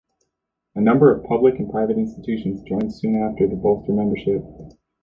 A number of public and private institutions joined soon after to bolster membership.